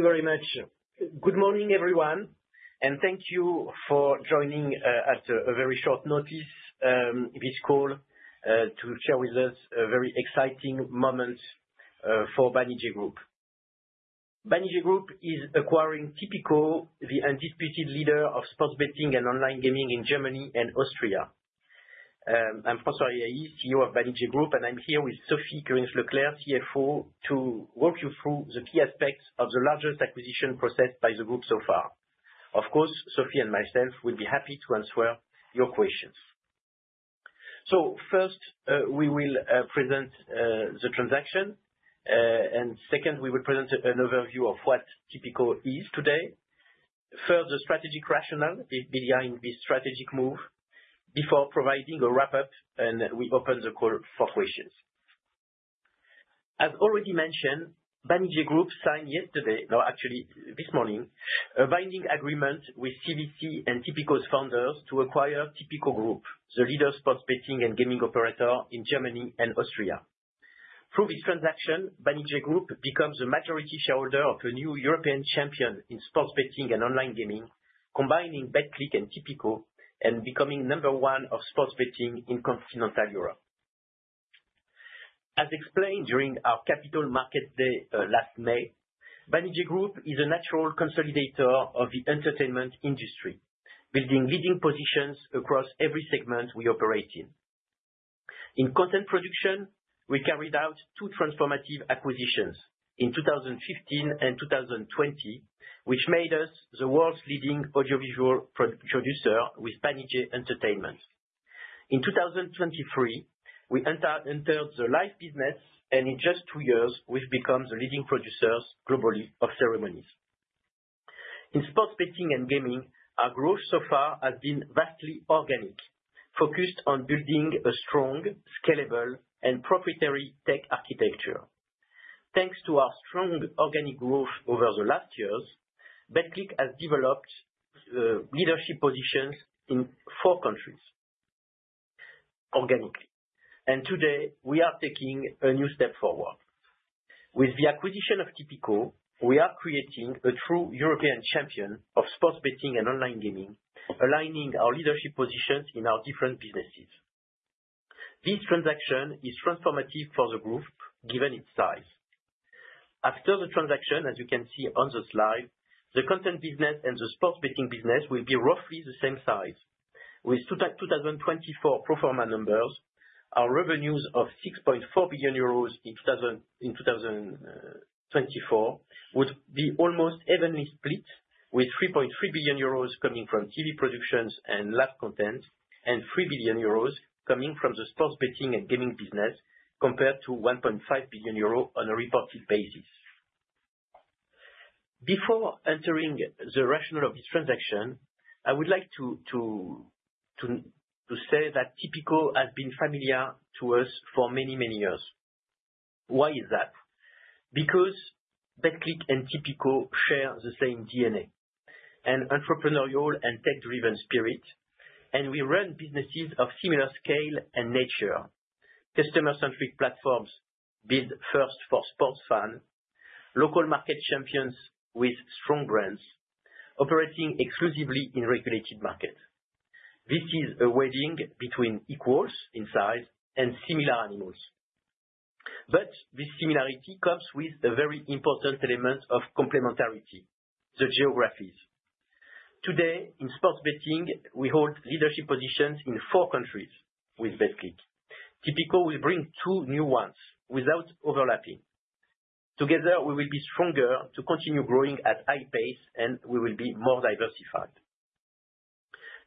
Thank you very much. Good morning, everyone, and thank you for joining at a very short notice this call to share with us a very exciting moment for Banijay Group. Banijay Group is acquiring Tipico, the undisputed leader of sports betting and online gaming in Germany and Austria. I'm François Riahi, CEO of Banijay Group, and I'm here with Sophie Kurinckx-Leclerc, CFO, to walk you through the key aspects of the largest acquisition process by the group so far. Of course, Sophie and myself will be happy to answer your questions. So first, we will present the transaction, and second, we will present an overview of what Tipico is today. First, the strategic rationale behind this strategic move, before providing a wrap-up, and we open the call for questions. As already mentioned, Banijay Group signed yesterday, no, actually this morning, a binding agreement with CVC and Tipico's founders to acquire Tipico Group, the leader sports betting and gaming operator in Germany and Austria. Through this transaction, Banijay Group becomes a majority shareholder of a new European champion in sports betting and online gaming, combining Betclic and Tipico, and becoming number one of sports betting in continental Europe. As explained during our Capital Markets Day last May, Banijay Group is a natural consolidator of the entertainment industry, building leading positions across every segment we operate in. In content production, we carried out two transformative acquisitions in 2015 and 2020, which made us the world's leading audiovisual producer with Banijay Entertainment. In 2023, we entered the live business, and in just two years, we've become the leading producers globally of ceremonies. In sports betting and gaming, our growth so far has been vastly organic, focused on building a strong, scalable, and proprietary tech architecture. Thanks to our strong organic growth over the last years, Betclic has developed leadership positions in four countries organically, and today, we are taking a new step forward. With the acquisition of Tipico, we are creating a true European champion of sports betting and online gaming, aligning our leadership positions in our different businesses. This transaction is transformative for the group, given its size. After the transaction, as you can see on the slide, the content business and the sports betting business will be roughly the same size. With 2024 pro forma numbers, our revenues of 6.4 billion euros in 2024 would be almost evenly split, with 3.3 billion euros coming from TV productions and live content, and 3 billion euros coming from the sports betting and gaming business, compared to 1.5 billion euros on a reported basis. Before entering the rationale of this transaction, I would like to say that Tipico has been familiar to us for many, many years. Why is that? Because Betclic and Tipico share the same DNA and entrepreneurial and tech-driven spirit, and we run businesses of similar scale and nature. Customer-centric platforms build first for sports fans, local market champions with strong brands, operating exclusively in regulated markets. This is a wedding between equals in size and similar animals. But this similarity comes with a very important element of complementarity: the geographies. Today, in sports betting, we hold leadership positions in four countries with Betclic. Tipico will bring two new ones without overlapping. Together, we will be stronger to continue growing at high pace, and we will be more diversified.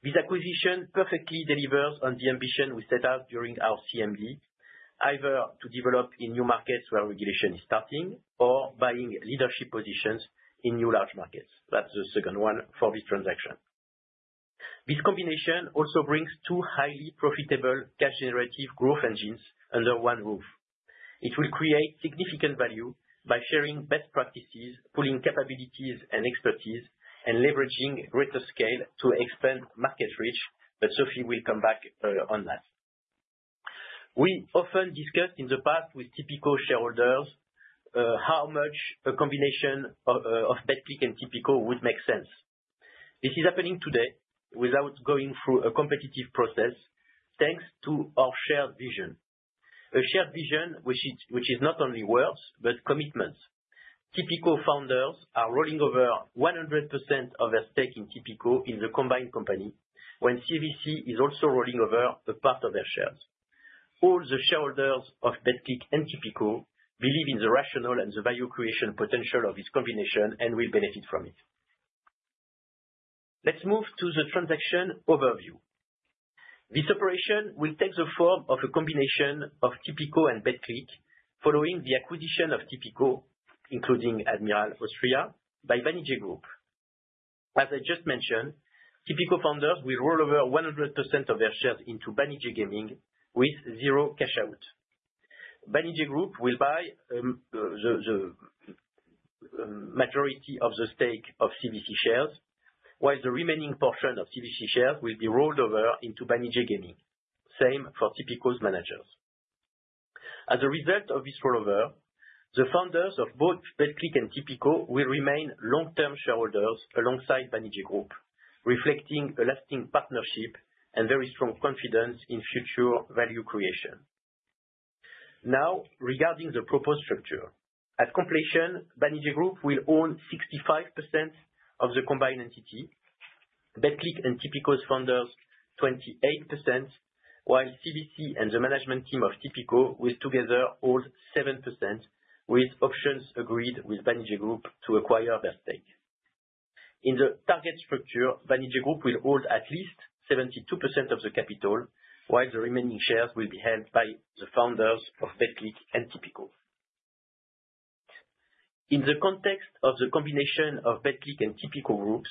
This acquisition perfectly delivers on the ambition we set out during our CMD, either to develop in new markets where regulation is starting or buying leadership positions in new large markets. That's the second one for this transaction. This combination also brings two highly profitable cash-generative growth engines under one roof. It will create significant value by sharing best practices, pooling capabilities and expertise, and leveraging greater scale to expand market reach, but Sophie will come back on that. We often discussed in the past with Tipico shareholders how much a combination of Betclic and Tipico would make sense. This is happening today without going through a competitive process, thanks to our shared vision. A shared vision which is not only words but commitments. Tipico founders are rolling over 100% of their stake in Tipico in the combined company, when CVC is also rolling over a part of their shares. All the shareholders of Betclic and Tipico believe in the rationale and the value creation potential of this combination and will benefit from it. Let's move to the transaction overview. This operation will take the form of a combination of Tipico and Betclic, following the acquisition of Tipico, including Admiral Austria, by Banijay Group. As I just mentioned, Tipico founders will roll over 100% of their shares into Banijay Gaming with zero cash out. Banijay Group will buy the majority of the stake of CVC shares, while the remaining portion of CVC shares will be rolled over into Banijay Gaming. Same for Tipico's managers. As a result of this rollover, the founders of both Betclic and Tipico will remain long-term shareholders alongside Banijay Group, reflecting a lasting partnership and very strong confidence in future value creation. Now, regarding the proposed structure, at completion, Banijay Group will own 65% of the combined entity, Betclic and Tipico's founders 28%, while CVC and the management team of Tipico will together hold 7%, with options agreed with Banijay Group to acquire their stake. In the target structure, Banijay Group will hold at least 72% of the capital, while the remaining shares will be held by the founders of Betclic and Tipico. In the context of the combination of Betclic and Tipico groups,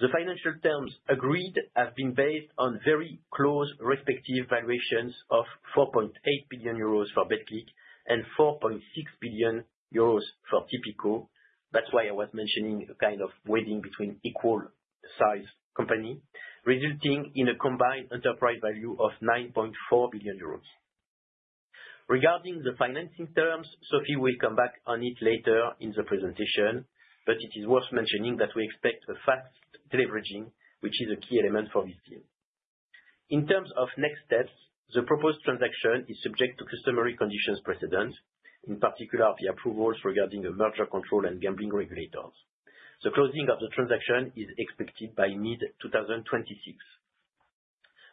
the financial terms agreed have been based on very close respective valuations of 4.8 billion euros for Betclic and 4.6 billion euros for Tipico. That's why I was mentioning a kind of wedding between equal-sized companies, resulting in a combined enterprise value of 9.4 billion euros. Regarding the financing terms, Sophie will come back on it later in the presentation, but it is worth mentioning that we expect a fast leveraging, which is a key element for this deal. In terms of next steps, the proposed transaction is subject to customary conditions precedent, in particular the approvals regarding the merger control and gambling regulators. The closing of the transaction is expected by mid-2026.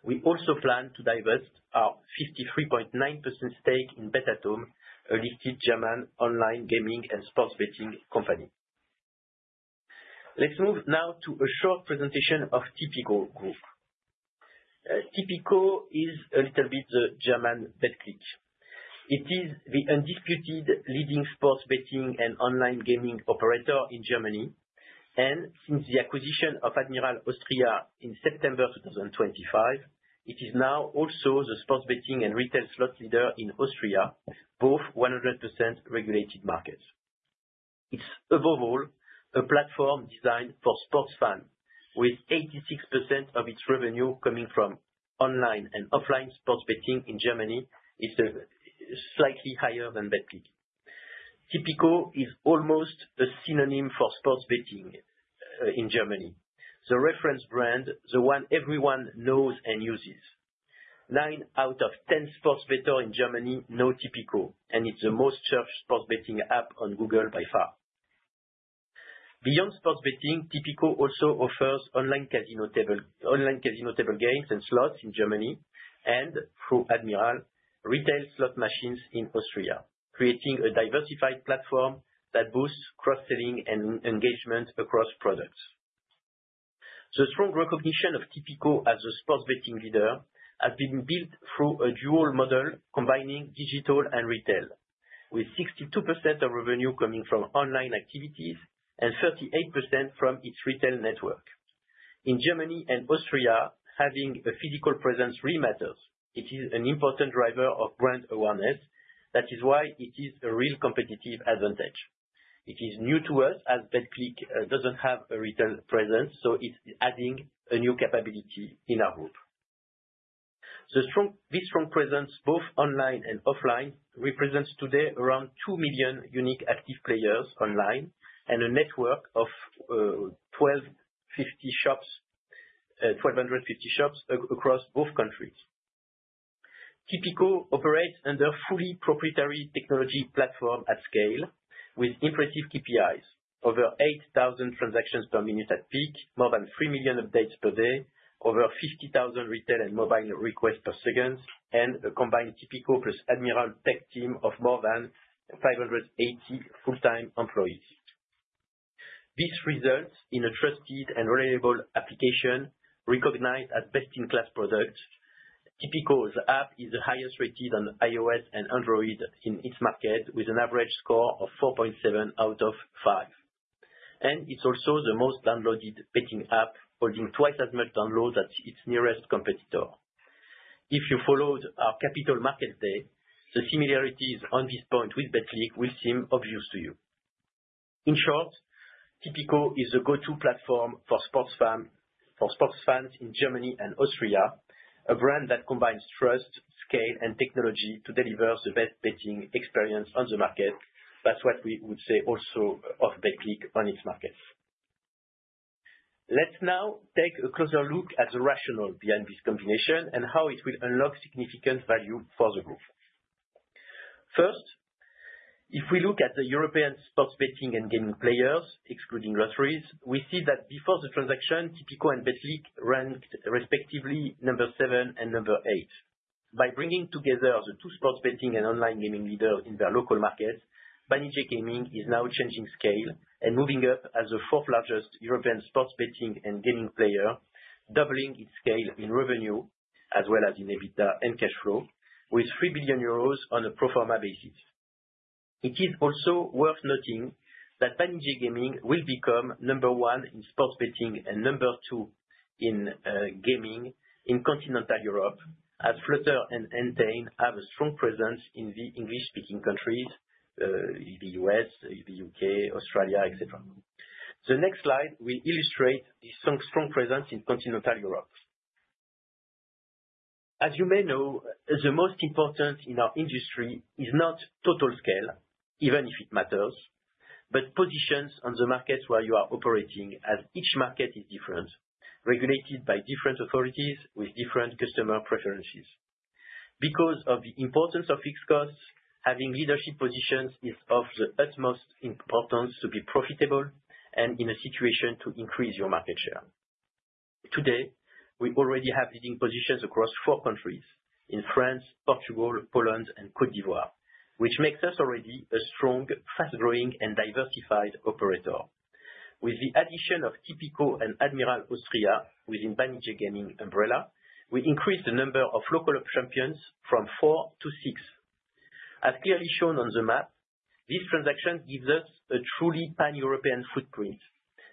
We also plan to divest our 53.9% stake in bet-at-home, a listed German online gaming and sports betting company. Let's move now to a short presentation of Tipico Group. Tipico is a little bit the German Betclic. It is the undisputed leading sports betting and online gaming operator in Germany, and since the acquisition of Admiral Austria in September 2025, it is now also the sports betting and retail slot leader in Austria, both 100% regulated markets. It's, above all, a platform designed for sports fans, with 86% of its revenue coming from online and offline sports betting in Germany, slightly higher than Betclic. Tipico is almost a synonym for sports betting in Germany, the reference brand, the one everyone knows and uses. Nine out of 10 sports betting in Germany know Tipico, and it's the most searched sports betting app on Google by far. Beyond sports betting, Tipico also offers online casino table games and slots in Germany and, through Admiral, retail slot machines in Austria, creating a diversified platform that boosts cross-selling and engagement across products. The strong recognition of Tipico as a sports betting leader has been built through a dual model combining digital and retail, with 62% of revenue coming from online activities and 38% from its retail network. In Germany and Austria, having a physical presence really matters. It is an important driver of brand awareness. That is why it is a real competitive advantage. It is new to us as Betclic doesn't have a retail presence, so it's adding a new capability in our group. This strong presence, both online and offline, represents today around 2 million unique active players online and a network of 1,250 shops across both countries. Tipico operates under a fully proprietary technology platform at scale, with impressive KPIs: over 8,000 transactions per minute at peak, more than 3 million updates per day, over 50,000 retail and mobile requests per second, and a combined Tipico plus Admiral tech team of more than 580 full-time employees. This results in a trusted and reliable application recognized as best-in-class product. Tipico's app is the highest-rated on iOS and Android in its market, with an average score of 4.7 out of 5, and it's also the most downloaded betting app, holding twice as much downloads as its nearest competitor. If you followed our Capital Markets Day, the similarities on this point with Betclic will seem obvious to you. In short, Tipico is the go-to platform for sports fans in Germany and Austria, a brand that combines trust, scale, and technology to deliver the best betting experience on the market. That's what we would say also of Betclic on its markets. Let's now take a closer look at the rationale behind this combination and how it will unlock significant value for the group. First, if we look at the European sports betting and gaming players, excluding lotteries, we see that before the transaction, Tipico and Betclic ranked respectively number seven and number eight. By bringing together the two sports betting and online gaming leaders in their local markets, Banijay Gaming is now changing scale and moving up as the fourth largest European sports betting and gaming player, doubling its scale in revenue, as well as in EBITDA and cash flow, with 3 billion euros on a pro forma basis. It is also worth noting that Banijay Gaming will become number one in sports betting and number two in gaming in continental Europe, as Flutter and Entain have a strong presence in the English-speaking countries, the U.S., the U.K., Australia, etc. The next slide will illustrate this strong presence in continental Europe. As you may know, the most important in our industry is not total scale, even if it matters, but positions on the markets where you are operating, as each market is different, regulated by different authorities with different customer preferences. Because of the importance of fixed costs, having leadership positions is of the utmost importance to be profitable and in a situation to increase your market share. Today, we already have leading positions across four countries: in France, Portugal, Poland, and Côte d'Ivoire, which makes us already a strong, fast-growing, and diversified operator. With the addition of Tipico and Admiral Austria within Banijay Gaming umbrella, we increased the number of local champions from four to six. As clearly shown on the map, this transaction gives us a truly pan-European footprint,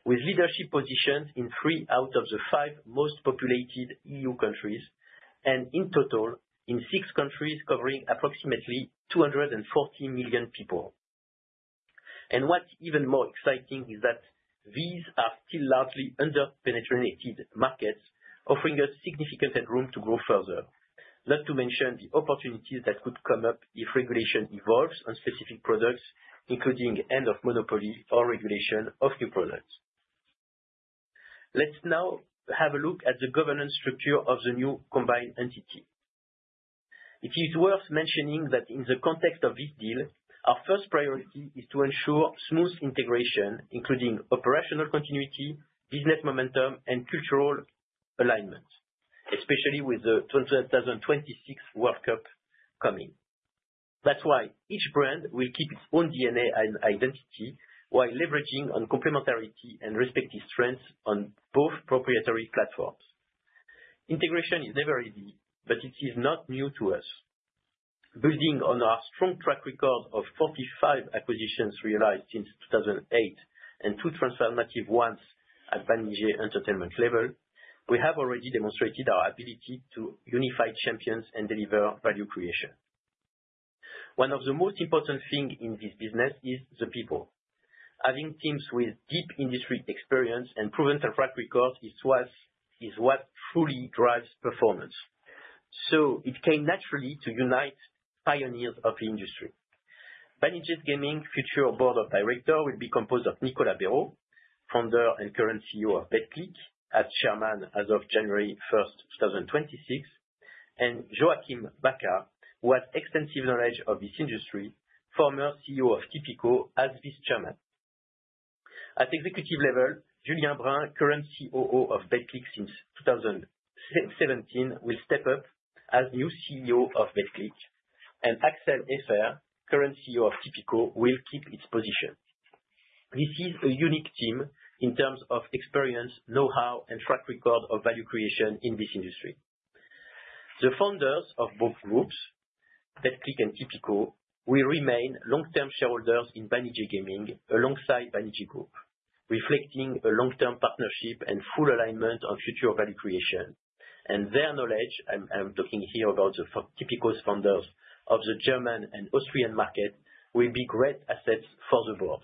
with leadership positions in three out of the five most populated EU countries and, in total, in six countries covering approximately 240 million people, and what's even more exciting is that these are still largely under-penetrated markets, offering us significant headroom to grow further, not to mention the opportunities that could come up if regulation evolves on specific products, including end of monopoly or regulation of new products. Let's now have a look at the governance structure of the new combined entity. It is worth mentioning that in the context of this deal, our first priority is to ensure smooth integration, including operational continuity, business momentum, and cultural alignment, especially with the 2026 World Cup coming. That's why each brand will keep its own DNA and identity while leveraging on complementarity and respective strengths on both proprietary platforms. Integration is never easy, but it is not new to us. Building on our strong track record of 45 acquisitions realized since 2008 and two transformative ones at Banijay Entertainment level, we have already demonstrated our ability to unify champions and deliver value creation. One of the most important things in this business is the people. Having teams with deep industry experience and proven track record is what truly drives performance. So it came naturally to unite pioneers of the industry. Banijay's gaming future board of directors will be composed of Nicolas Béraud, founder and current CEO of Betclic, as chairman as of January 1, 2026, and Joachim Baca, who has extensive knowledge of this industry, former CEO of Tipico, as vice chairman. At executive level, Julien Brun, current COO of Betclic since 2017, will step up as new CEO of Betclic, and Axel Hefer, current CEO of Tipico, will keep its position. This is a unique team in terms of experience, know-how, and track record of value creation in this industry. The founders of both groups, Betclic and Tipico, will remain long-term shareholders in Banijay Gaming alongside Banijay Group, reflecting a long-term partnership and full alignment on future value creation, and their knowledge, I'm talking here about Tipico's founders of the German and Austrian market, will be great assets for the board.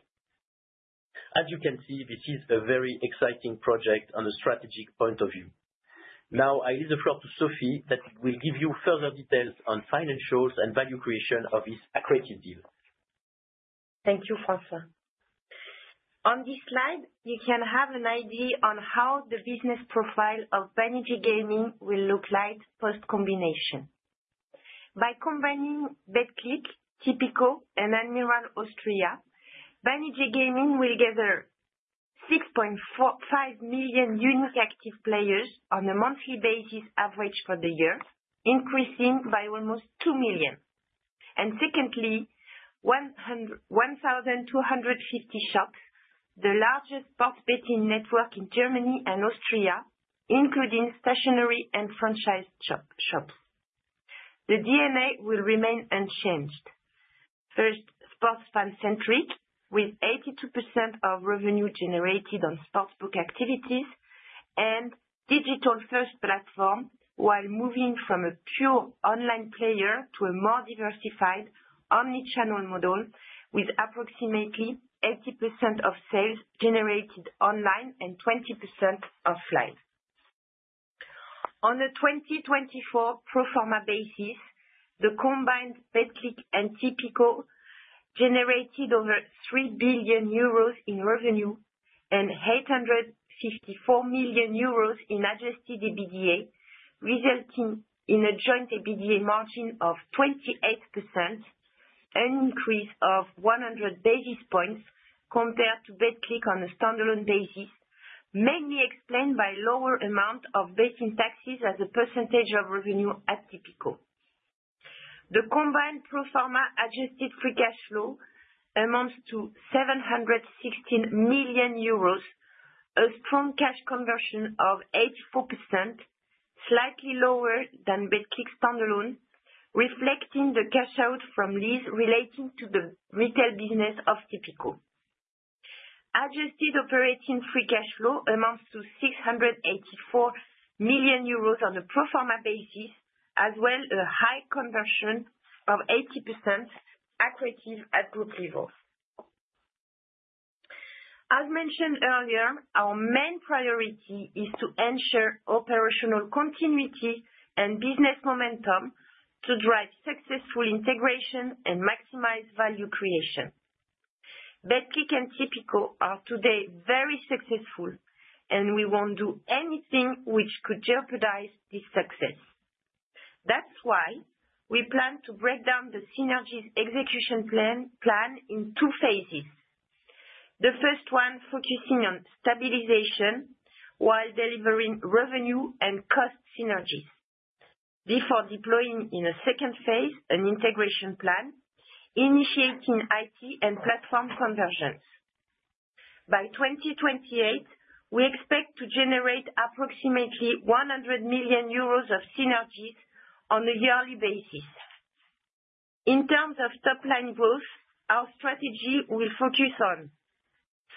As you can see, this is a very exciting project on a strategic point of view. Now, I leave the floor to Sophie that will give you further details on financials and value creation of this accretive deal. Thank you, François. On this slide, you can have an idea on how the business profile of Banijay Gaming will look like post-combination. By combining Betclic, Tipico, and Admiral Austria, Banijay Gaming will gather 6.5 million unique active players on a monthly basis average for the year, increasing by almost 2 million. And secondly, 1,250 shops, the largest sports betting network in Germany and Austria, including stationary and franchise shops. The DNA will remain unchanged. First, sports fan-centric, with 82% of revenue generated on sports book activities, and digital-first platform, while moving from a pure online player to a more diversified omnichannel model with approximately 80% of sales generated online and 20% offline. On a 2024 pro forma basis, the combined Betclic and Tipico generated over 3 billion euros in revenue and 854 million euros in adjusted EBITDA, resulting in a joint EBITDA margin of 28%, an increase of 100 basis points compared to Betclic on a standalone basis, mainly explained by a lower amount of betting taxes as a percentage of revenue at Tipico. The combined pro forma adjusted free cash flow amounts to 716 million euros, a strong cash conversion of 84%, slightly lower than Betclic standalone, reflecting the cash out from lease relating to the retail business of Tipico. Adjusted operating free cash flow amounts to 684 million euros on a pro forma basis, as well as a high conversion of 80% accretive at group level. As mentioned earlier, our main priority is to ensure operational continuity and business momentum to drive successful integration and maximize value creation. Betclic and Tipico are today very successful, and we won't do anything which could jeopardize this success. That's why we plan to break down the synergies execution plan in two phases. The first one focusing on stabilization while delivering revenue and cost synergies, before deploying in a second phase an integration plan, initiating IT and platform conversions. By 2028, we expect to generate approximately 100 million euros of synergies on a yearly basis. In terms of top-line growth, our strategy will focus on,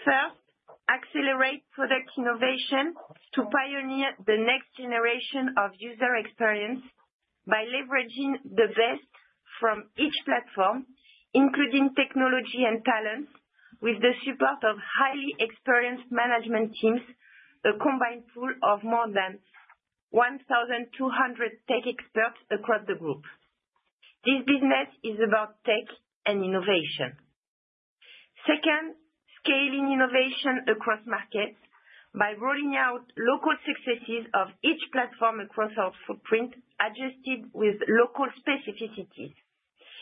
first, accelerate product innovation to pioneer the next generation of user experience by leveraging the best from each platform, including technology and talents, with the support of highly experienced management teams, a combined pool of more than 1,200 tech experts across the group. This business is about tech and innovation. Second, scaling innovation across markets by rolling out local successes of each platform across our footprint, adjusted with local specificities,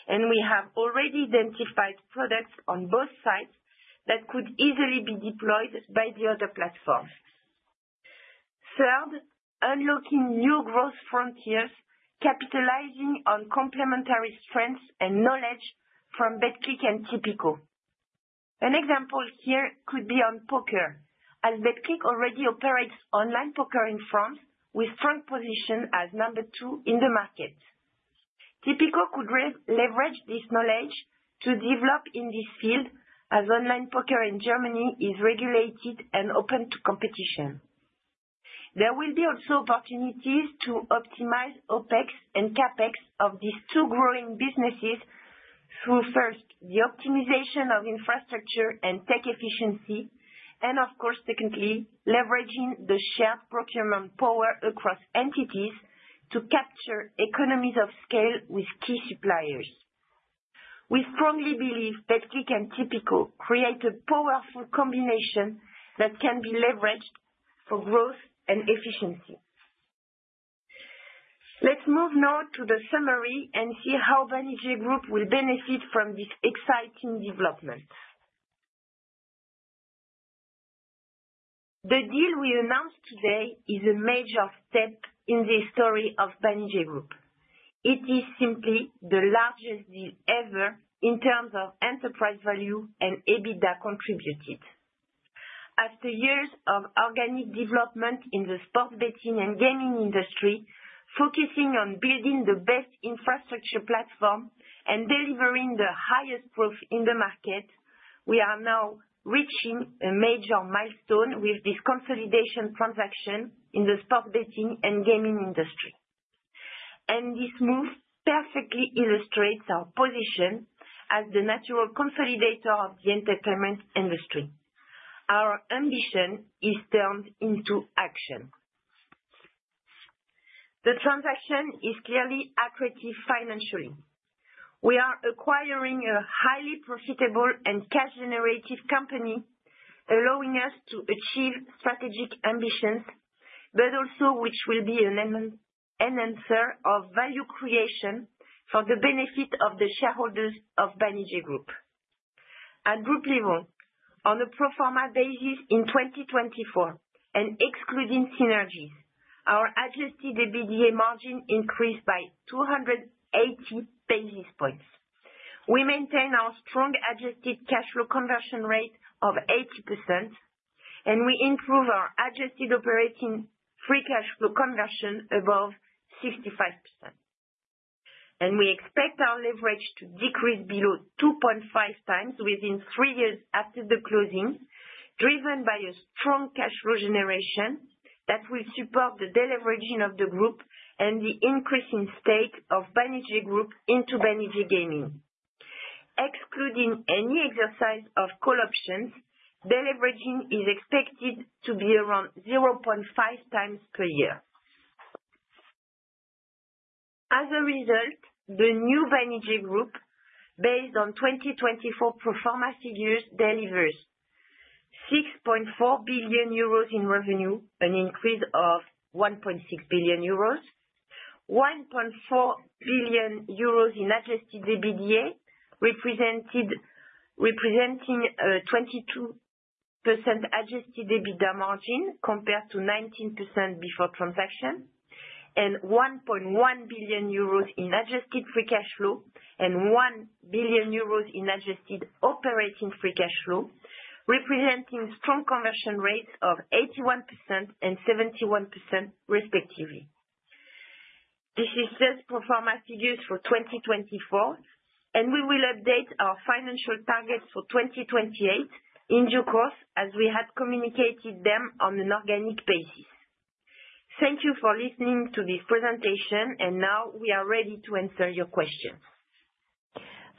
and we have already identified products on both sides that could easily be deployed by the other platforms. Third, unlocking new growth frontiers, capitalizing on complementary strengths and knowledge from Betclic and Tipico. An example here could be on poker, as Betclic already operates online poker in France, with strong position as number two in the market. Tipico could leverage this knowledge to develop in this field, as online poker in Germany is regulated and open to competition. There will be also opportunities to optimize OpEx and CapEx of these two growing businesses through, first, the optimization of infrastructure and tech efficiency, and, of course, secondly, leveraging the shared procurement power across entities to capture economies of scale with key suppliers. We strongly believe Betclic and Tipico create a powerful combination that can be leveraged for growth and efficiency. Let's move now to the summary and see how Banijay Group will benefit from this exciting development. The deal we announced today is a major step in the story of Banijay Group. It is simply the largest deal ever in terms of enterprise value and EBITDA contributed. After years of organic development in the sports betting and gaming industry, focusing on building the best infrastructure platform and delivering the highest growth in the market, we are now reaching a major milestone with this consolidation transaction in the sports betting and gaming industry. And this move perfectly illustrates our position as the natural consolidator of the entertainment industry. Our ambition is turned into action. The transaction is clearly accretive financially. We are acquiring a highly profitable and cash-generative company, allowing us to achieve strategic ambitions, but also which will be an enhancer of value creation for the benefit of the shareholders of Banijay Group. At group level, on a pro forma basis in 2024, and excluding synergies, our adjusted EBITDA margin increased by 280 basis points. We maintain our strong adjusted cash flow conversion rate of 80%, and we improve our adjusted operating free cash flow conversion above 65%, and we expect our leverage to decrease below 2.5 times within three years after the closing, driven by a strong cash flow generation that will support the deleveraging of the group and the increase in stake of Banijay Group into Banijay Gaming. Excluding any exercise of call options, deleveraging is expected to be around 0.5 times per year. As a result, the new Banijay Group, based on 2024 pro forma figures, delivers 6.4 billion euros in revenue, an increase of 1.6 billion euros, 1.4 billion euros in adjusted EBITDA, representing a 22% adjusted EBITDA margin compared to 19% before transaction, and 1.1 billion euros in adjusted free cash flow and 1 billion euros in adjusted operating free cash flow, representing strong conversion rates of 81% and 71%, respectively. This is just pro forma figures for 2024, and we will update our financial targets for 2028 in due course, as we had communicated them on an organic basis. Thank you for listening to this presentation, and now we are ready to answer your questions.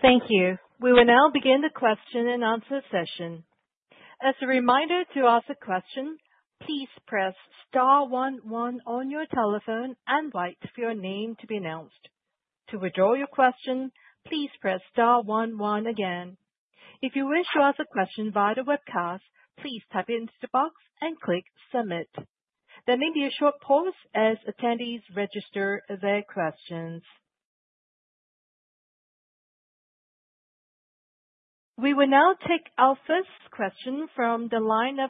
Thank you. We will now begin the question and answer session. As a reminder to ask a question, please press star 11 on your telephone and wait for your name to be announced. To withdraw your question, please press star 11 again. If you wish to ask a question via the webcast, please type into the box and click submit. There may be a short pause as attendees register their questions. We will now take our first question from the line of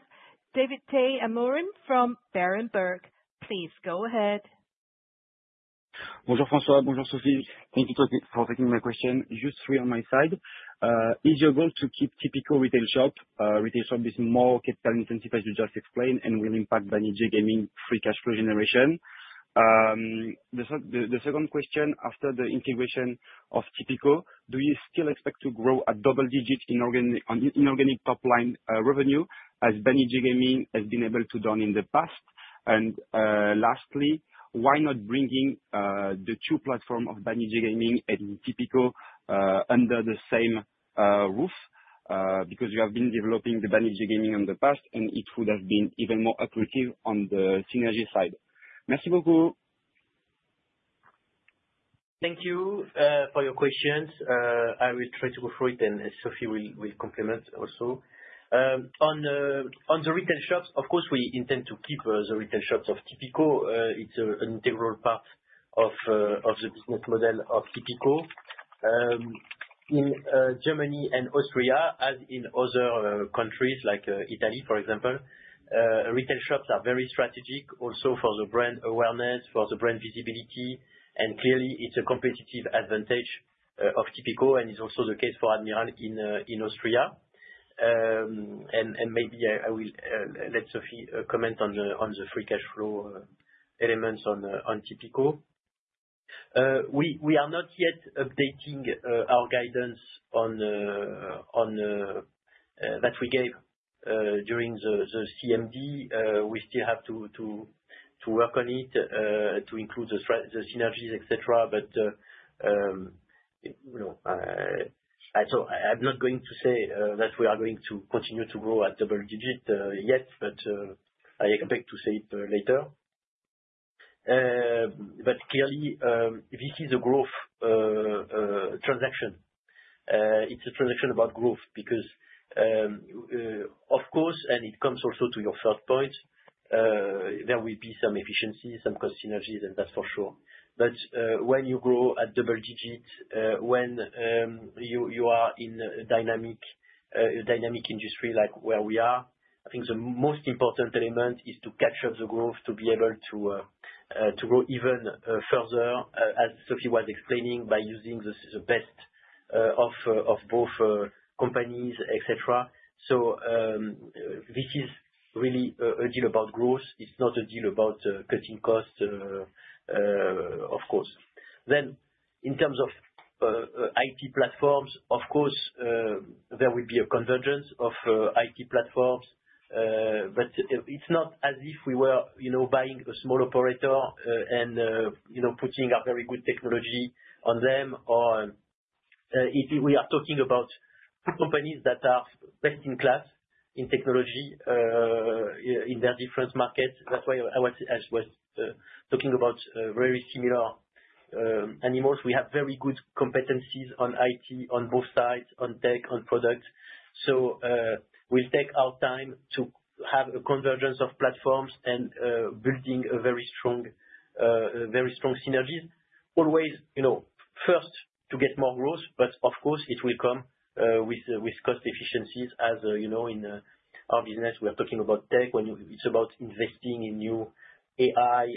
Davide Amorim from Berenberg. Please go ahead. Bonjour François, bonjour Sophie. Thank you for taking my question. Just three on my side. Is your goal to keep Tipico retail shop, retail shop with more capital intensity as you just explained, and will impact Banijay Gaming free cash flow generation? The second question, after the integration of Tipico, do you still expect to grow double-digit in organic top-line revenue, as Banijay Gaming has been able to do in the past? And lastly, why not bringing the two platforms of Banijay Gaming and Tipico under the same roof? Because you have been developing the Banijay Gaming in the past, and it would have been even more accretive on the synergy side. Merci beaucoup. Thank you for your questions. I will try to go through it, and Sophie will complement also. On the retail shops, of course, we intend to keep the retail shops of Tipico. It's an integral part of the business model of Tipico. In Germany and Austria, as in other countries like Italy, for example, retail shops are very strategic also for the brand awareness, for the brand visibility, and clearly, it's a competitive advantage of Tipico, and it's also the case for Admiral in Austria, and maybe I will let Sophie comment on the free cash flow elements on Tipico. We are not yet updating our guidance that we gave during the CMD. We still have to work on it to include the synergies, etc., but I'm not going to say that we are going to continue to grow at double digit yet, but I expect to say it later, but clearly, this is a growth transaction. It's a transaction about growth because, of course, and it comes also to your first point, there will be some efficiencies, some cost synergies, and that's for sure. But when you grow at double digit, when you are in a dynamic industry like where we are, I think the most important element is to catch up the growth to be able to grow even further, as Sophie was explaining, by using the best of both companies, etc. So this is really a deal about growth. It's not a deal about cutting costs, of course. Then, in terms of IT platforms, of course, there will be a convergence of IT platforms, but it's not as if we were buying a small operator and putting our very good technology on them, or we are talking about companies that are best in class in technology in their different markets. That's why I was talking about very similar animals. We have very good competencies on IT on both sides, on tech, on product. We'll take our time to have a convergence of platforms and building very strong synergies, always first to get more growth, but of course, it will come with cost efficiencies. As in our business, we're talking about tech. When it's about investing in new AI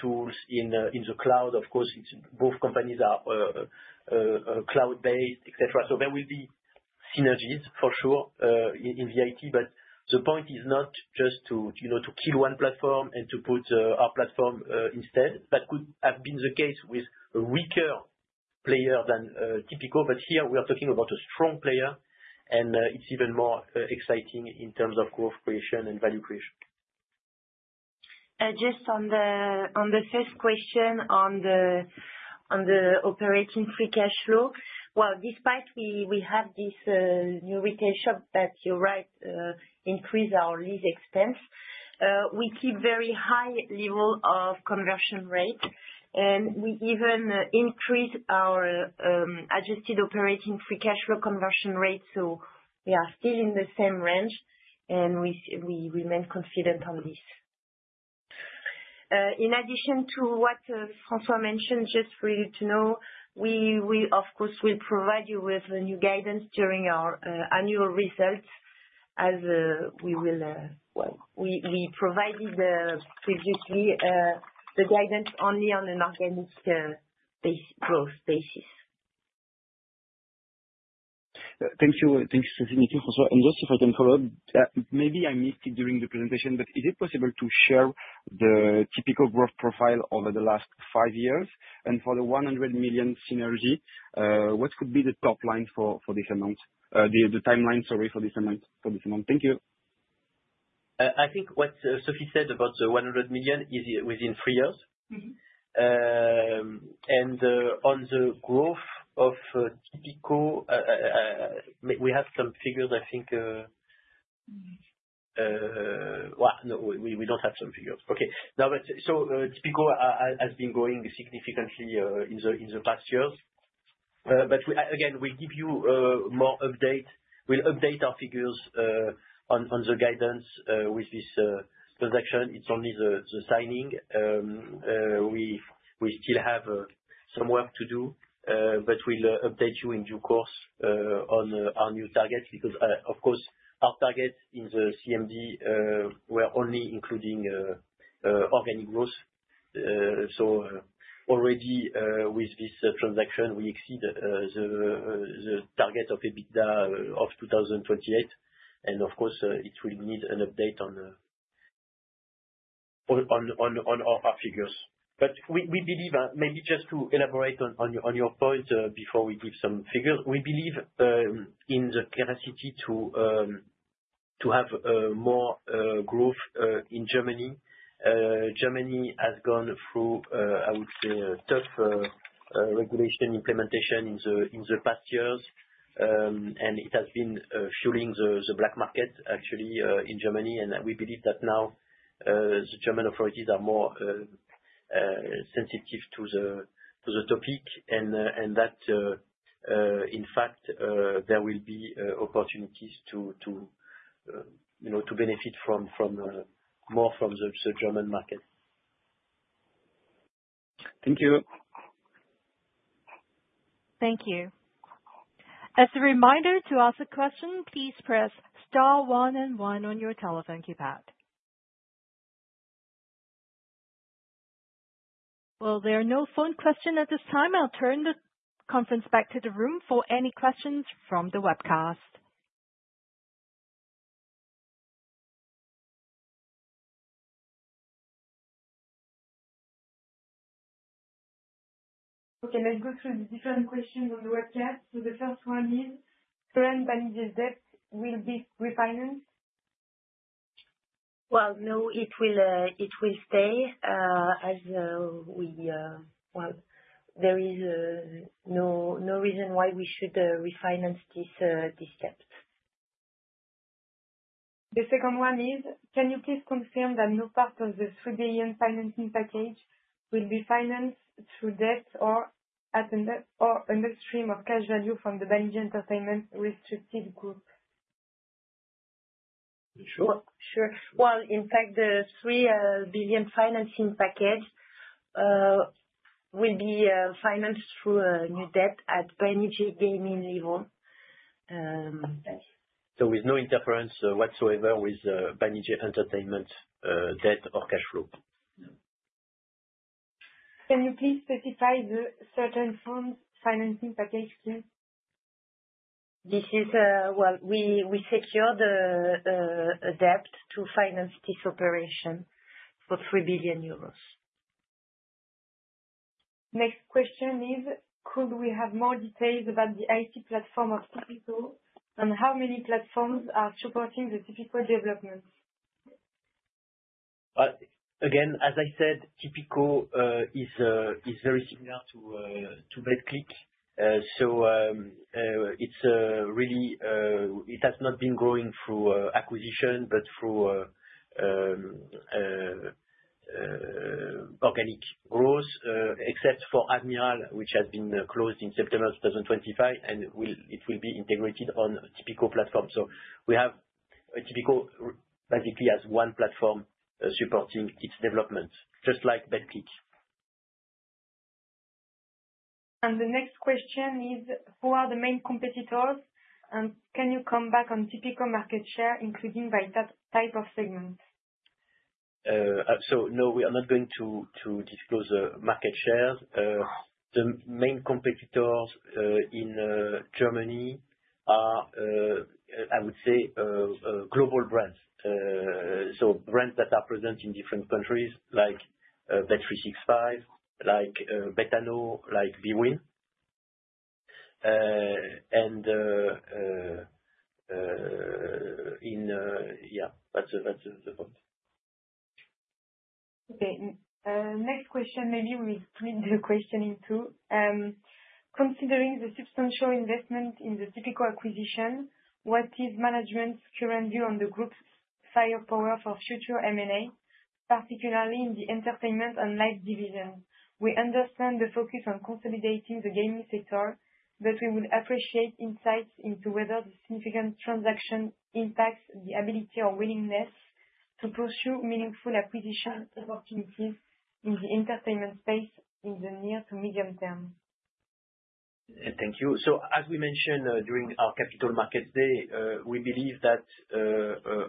tools in the cloud, of course, both companies are cloud-based, etc. There will be synergies, for sure, in the IT, but the point is not just to kill one platform and to put our platform instead. That could have been the case with a weaker player than Tipico, but here we are talking about a strong player, and it's even more exciting in terms of growth creation and value creation. Just on the first question on the operating free cash flow, well, despite we have this new retail shop that will increase our lease expense, we keep very high level of conversion rate, and we even increase our adjusted operating free cash flow conversion rate, so we are still in the same range, and we remain confident on this. In addition to what François mentioned, just for you to know, we, of course, will provide you with new guidance during our annual results, as we will, well, we provided previously the guidance only on an organic growth basis. Thank you, Sophie, and just if I can follow up, maybe I missed it during the presentation, but is it possible to share the typical growth profile over the last five years? And for the 100 million synergy, what could be the top line for this amount, the timeline, sorry, for this amount? Thank you. I think what Sophie said about the 100 million is within three years. And on the growth of Tipico, we have some figures, I think. Well, no, we don't have some figures. Okay. So Tipico has been growing significantly in the past years. But again, we'll give you more update. We'll update our figures on the guidance with this transaction. It's only the signing. We still have some work to do, but we'll update you in due course on our new targets because, of course, our targets in the CMD were only including organic growth. So already with this transaction, we exceed the target of EBITDA of 2028, and of course, it will need an update on our figures. But we believe, maybe just to elaborate on your point before we give some figures, we believe in the capacity to have more growth in Germany. Germany has gone through, I would say, tough regulation implementation in the past years, and it has been fueling the black market, actually, in Germany. And we believe that now the German authorities are more sensitive to the topic and that, in fact, there will be opportunities to benefit more from the German market. Thank you. Thank you. As a reminder to ask a question, please press star 11 on your telephone keypad. Well, there are no phone questions at this time. I'll turn the conference back to the room for any questions from the webcast. Okay, let's go through the different questions on the webcast. So the first one is: Current Banijay's debt will be refinanced? Well, no, it will stay as is. Well, there is no reason why we should refinance this debt. The second one is, can you please confirm that no part of the 3 billion financing package will be financed through debt or upstream of cash value from the Banijay Entertainment restricted group? Sure. Sure. Well, in fact, the 3 billion financing package will be financed through new debt at Banijay Gaming level. So with no interference whatsoever with Banijay Entertainment debt or cash flow? Can you please specify the certain funds financing package? This is, well, we secured a debt to finance this operation for 3 billion euros. Next question is, could we have more details about the IT platform of Tipico and how many platforms are supporting the Tipico development? Again, as I said, Tipico is very similar to Betclic, so it has not been growing through acquisition, but through organic growth, except for Admiral, which has been closed in September 2025, and it will be integrated on Tipico platform, so we have Tipico basically as one platform supporting its development, just like Betclic, and the next question is, who are the main competitors, and can you come back on Tipico market share, including by type of segment, so no, we are not going to disclose market shares. The main competitors in Germany are, I would say, global brands, so brands that are present in different countries like bet365, like Betano, like bwin, and yeah, that's the point. Okay. Next question, maybe we split the question in two. Considering the substantial investment in the Tipico acquisition, what is management's current view on the group's firepower for future M&A, particularly in the entertainment and light division? We understand the focus on consolidating the gaming sector, but we would appreciate insights into whether the significant transaction impacts the ability or willingness to pursue meaningful acquisition opportunities in the entertainment space in the near to medium term. Thank you. As we mentioned during our Capital Markets Day, we believe that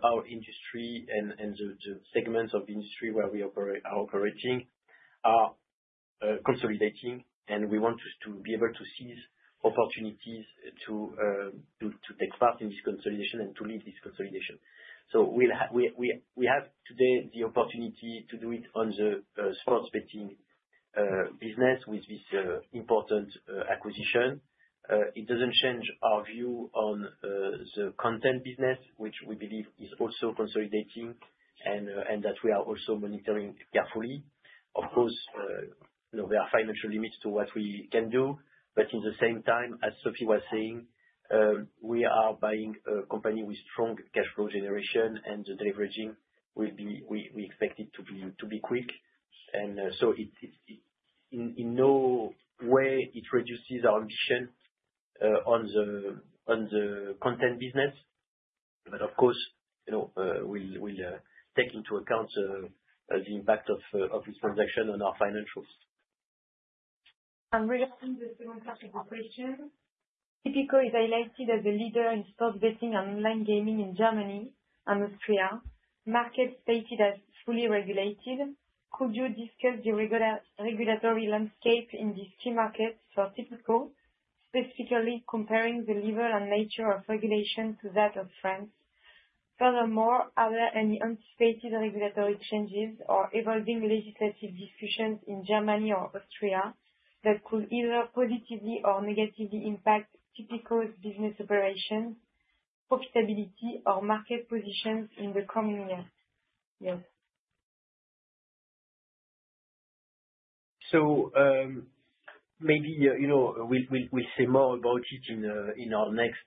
our industry and the segments of industry where we are operating are consolidating, and we want to be able to seize opportunities to take part in this consolidation and to lead this consolidation. We have today the opportunity to do it on the sports betting business with this important acquisition. It doesn't change our view on the content business, which we believe is also consolidating and that we are also monitoring carefully. Of course, there are financial limits to what we can do, but at the same time, as Sophie was saying, we are buying a company with strong cash flow generation, and the leveraging will be, we expect, it to be quick. And so in no way it reduces our ambition on the content business, but of course, we'll take into account the impact of this transaction on our financials. Regarding the second part of the question, Tipico is highlighted as a leader in sports betting and online gaming in Germany and Austria, markets stated as fully regulated. Could you discuss the regulatory landscape in these key markets for Tipico, specifically comparing the level and nature of regulation to that of France? Furthermore, are there any anticipated regulatory changes or evolving legislative discussions in Germany or Austria that could either positively or negatively impact Tipico's business operations, profitability, or market positions in the coming years? Yes, so maybe we'll say more about it in our next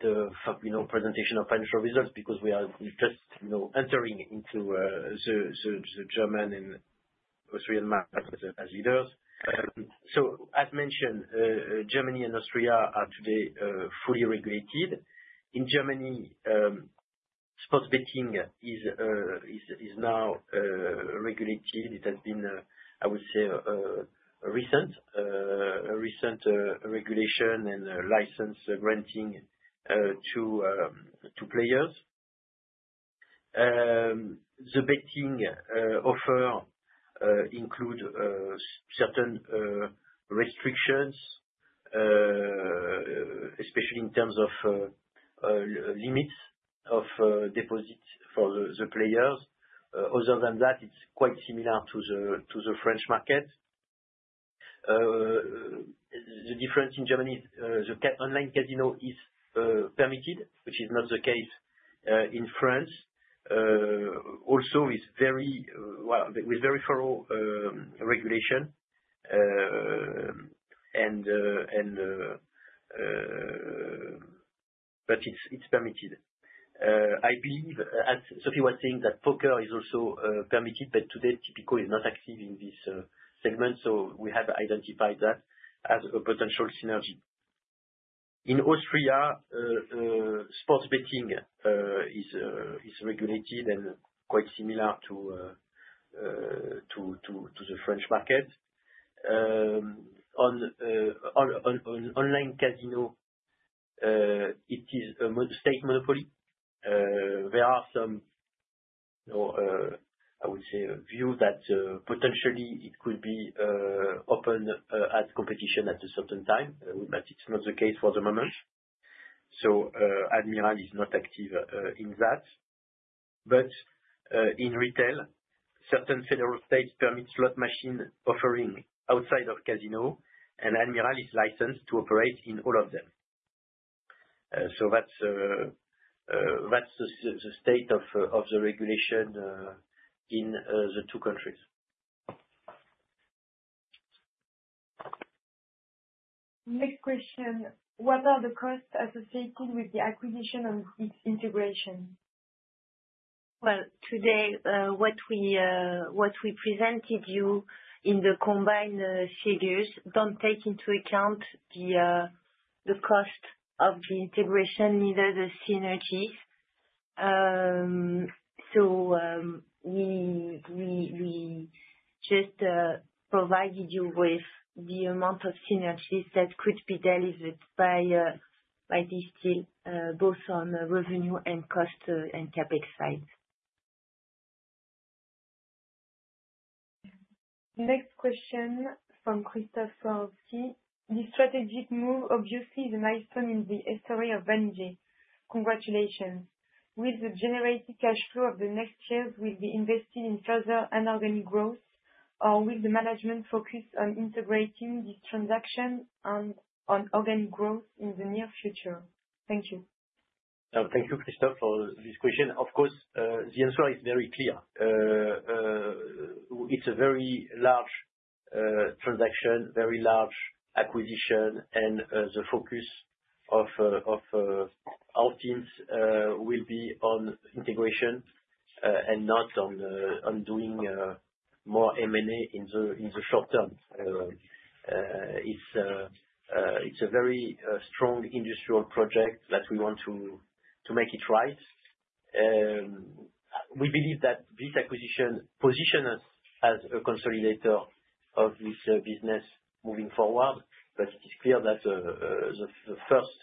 presentation of financial results because we are just entering into the German and Austrian markets as leaders, so as mentioned, Germany and Austria are today fully regulated. In Germany, sports betting is now regulated. It has been, I would say, a recent regulation and license granting to players. The betting offer includes certain restrictions, especially in terms of limits of deposits for the players. Other than that, it's quite similar to the French market. The difference in Germany is the online casino is permitted, which is not the case in France. Also, with very thorough regulation, but it's permitted. I believe, as Sophie was saying, that poker is also permitted, but today, Tipico is not active in this segment, so we have identified that as a potential synergy. In Austria, sports betting is regulated and quite similar to the French market. On online casino, it is a state monopoly. There are some, I would say, views that potentially it could be opened as competition at a certain time, but it's not the case for the moment. So Admiral is not active in that. But in retail, certain federal states permit slot machine offering outside of casino, and Admiral is licensed to operate in all of them. So that's the state of the regulation in the two countries. Next question. What are the costs associated with the acquisition and its integration? Today, what we presented you in the combined figures don't take into account the cost of the integration neither the synergies. So we just provided you with the amount of synergies that could be delivered by this deal, both on revenue and cost and CapEx side. Next question from Christoph Rohrsky. This strategic move obviously is a milestone in the history of Banijay. Congratulations. Will the generated cash flow of the next years be invested in further an organic growth, or will the management focus on integrating this transaction and on organic growth in the near future? Thank you. Thank you, Christoph, for this question. Of course, the answer is very clear. It's a very large transaction, very large acquisition, and the focus of our teams will be on integration and not on doing more M&A in the short term. It's a very strong industrial project that we want to make it right. We believe that this acquisition positions us as a consolidator of this business moving forward, but it is clear that the first,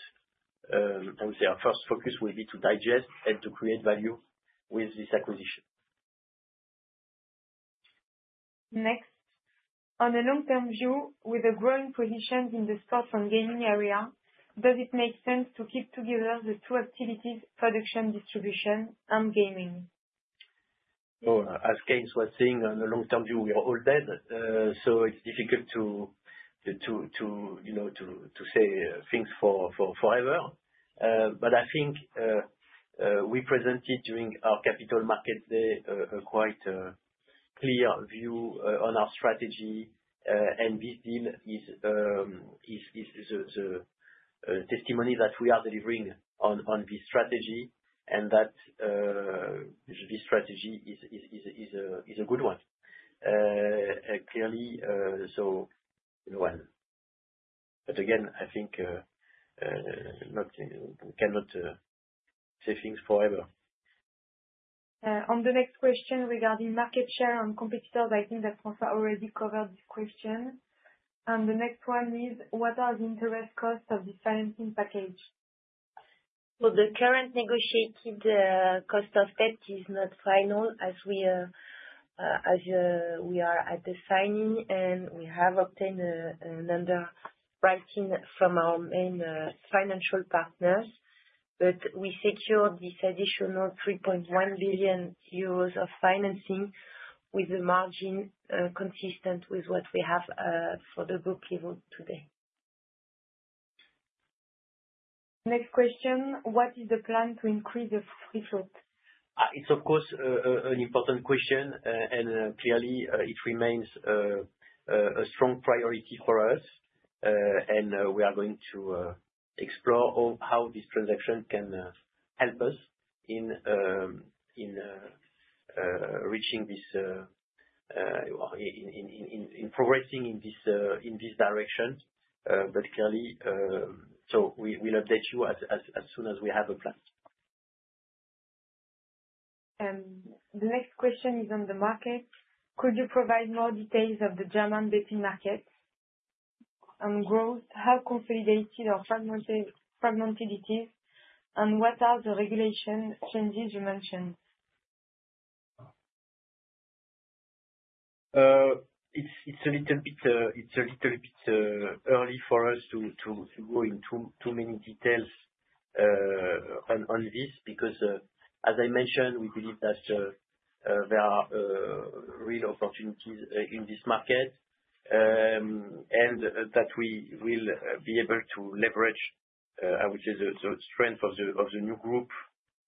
I would say, our first focus will be to digest and to create value with this acquisition. Next. On a long-term view, with the growing positions in the sports and gaming area, does it make sense to keep together the two activities, production distribution and gaming? As Keynes was saying, on a long-term view, we are all dead, so it's difficult to say things forever. But I think we presented during our Capital Markets Day a quite clear view on our strategy, and this deal is the testimony that we are delivering on this strategy and that this strategy is a good one. Clearly, so. In a while. But again, I think we cannot say things forever. On the next question regarding market share and competitors, I think that François already covered this question. And the next one is, what are the interest costs of this financing package? So the current negotiated cost of debt is not final as we are at the signing, and we have obtained an underwriting from our main financial partners, but we secured this additional 3.1 billion euros of financing with a margin consistent with what we have for the book level today. Next question. What is the plan to increase the free float? It's, of course, an important question, and clearly, it remains a strong priority for us, and we are going to explore how this transaction can help us in reaching this in progressing in this direction. But clearly, so we'll update you as soon as we have a plan. The next question is on the market. Could you provide more details of the German betting market and growth, how consolidated or fragmented it is, and what are the regulation changes you mentioned? It's a little bit early for us to go into too many details on this because, as I mentioned, we believe that there are real opportunities in this market and that we will be able to leverage, I would say, the strength of the new group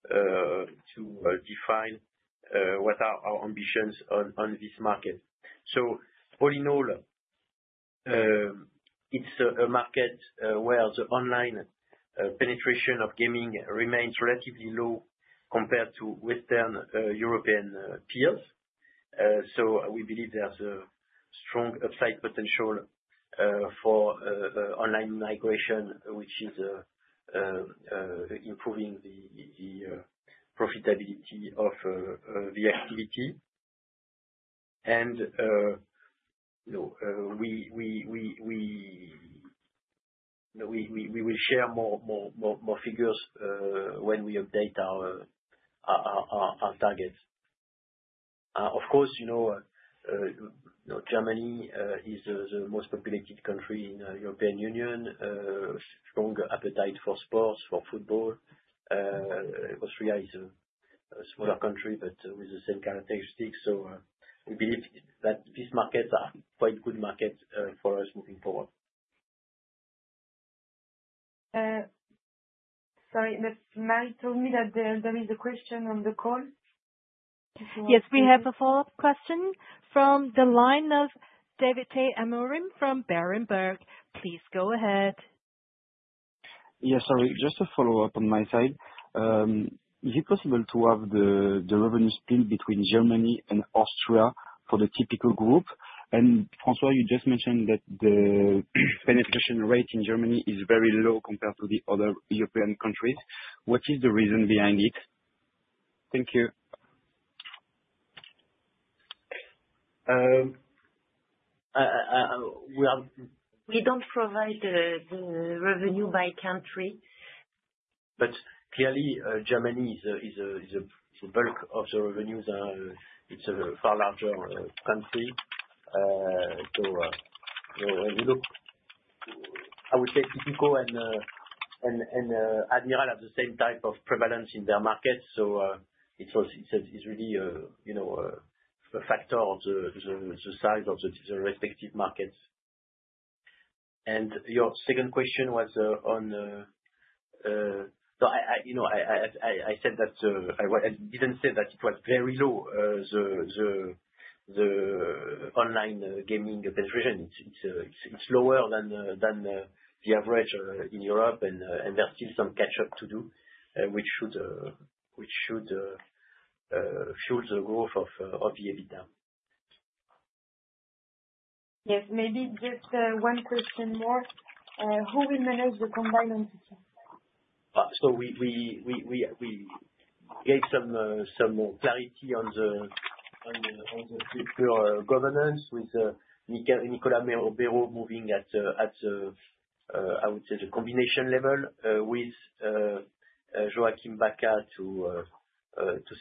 to define what are our ambitions on this market. So all in all, it's a market where the online penetration of gaming remains relatively low compared to Western European peers. So we believe there's a strong upside potential for online migration, which is improving the profitability of the activity. And we will share more figures when we update our targets. Of course, Germany is the most populated country in the European Union, strong appetite for sports, for football. Austria is a smaller country, but with the same characteristics. So we believe that these markets are quite good markets for us moving forward. Sorry, Marie told me that there is a question on the call. Yes, we have a follow-up question from the line of Davide Amorim from Berenberg. Please go ahead. Yes, sorry. Just a follow-up on my side. Is it possible to have the revenue split between Germany and Austria for the Tipico group? And François, you just mentioned that the penetration rate in Germany is very low compared to the other European countries. What is the reason behind it? Thank you. We don't provide the revenue by country. But clearly, Germany is a bulk of the revenues. It's a far larger country. So I would say Tipico and Admiral have the same type of prevalence in their markets. So it's really a factor of the size of the respective markets. And your second question was on, so I said that I didn't say that it was very low, the online gaming penetration. It's lower than the average in Europe, and there's still some catch-up to do, which should fuel the growth of the EBITDA. Yes. Maybe just one question more. Who will manage the combined entity? So we gave some clarity on the governance with Nicolas Béraud moving at, I would say, the combination level with Joachim Baca to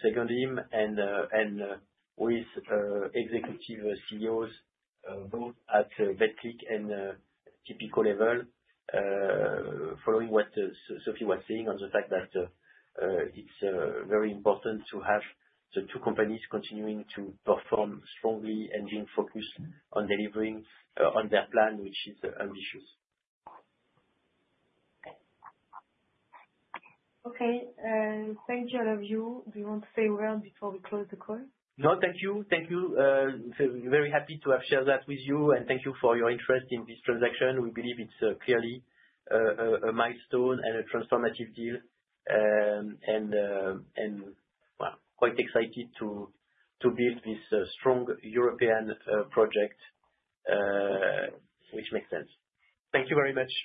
second him and with executive CEOs both at Betclic and Tipico level, following what Sophie was saying on the fact that it's very important to have the two companies continuing to perform strongly and being focused on delivering on their plan, which is ambitious. Okay. Thank you all of you. Do you want to say a word before we close the call? No, thank you. Thank you. Very happy to have shared that with you, and thank you for your interest in this transaction. We believe it's clearly a milestone and a transformative deal, and quite excited to build this strong European project, which makes sense. Thank you very much.